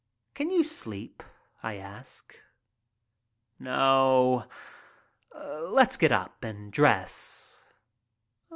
"Can you sleep?" I ask. "No. Let's get up and dress."